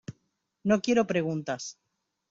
no quiero preguntas.